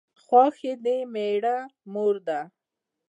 خواښې د مېړه مور